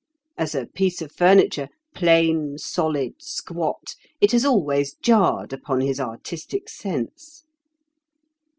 As a piece of furniture, plain, solid, squat, it has always jarred upon his artistic sense.